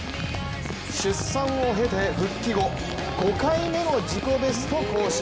出産を経て復帰後５回目の自己ベスト更新。